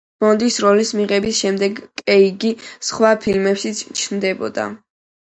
ბონდის როლის მიღების შემდეგ კრეიგი სხვა ფილმებშიც ჩნდებოდა.